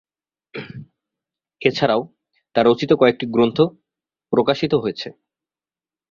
এছাড়াও, তার রচিত কয়েকটি গ্রন্থ প্রকাশিত হয়েছে।